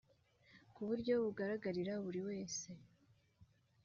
Ku buryo bugaragarira buri wese